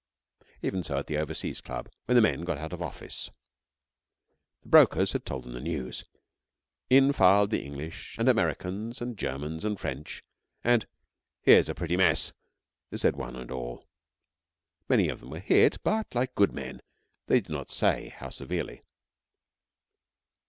Even so at the Overseas Club when the men got out of office. The brokers had told them the news. In filed the English, and Americans, and Germans, and French, and 'Here's a pretty mess!' they said one and all. Many of them were hit, but, like good men, they did not say how severely.